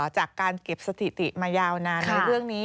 จากการเก็บสถิติมายาวนานในเรื่องนี้